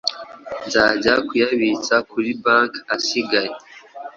Nzajya kuyabitsa kuri bank asigaye